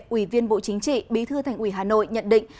ủy viên bộ chính trị bí thư thành ủy hà nội nhận định